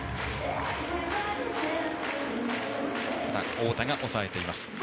太田が押さえています。